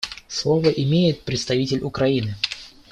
Слово имеет представитель Украины.